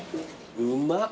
うまっ。